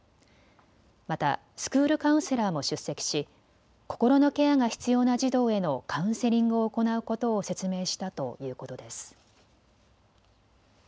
またスクールカウンセラーも出席し心のケアが必要な児童へのカウンセリングを行うことを説明したということです。